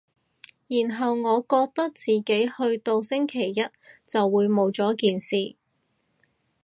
然後我覺得自己去到星期一就會冇咗件事